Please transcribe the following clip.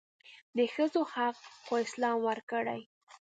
دښځو حق خواسلام ورکړي